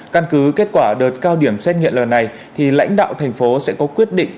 căn cứ kết quả đợt cao điểm xét nghiệm lần này thì lãnh đạo thành phố sẽ có quyết định